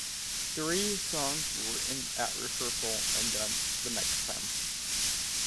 Three songs were written at rehearsal and done the next time.